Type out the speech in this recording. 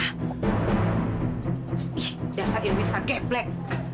ih dasar irwin segeplek